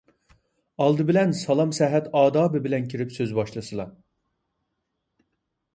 ئالدى بىلەن سالام - سەھەت ئادابى بىلەن كىرىپ سۆز باشلىسىلا.